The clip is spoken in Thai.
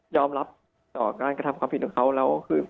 อมรับต่อการกระทำความผิดของเขาแล้วคือ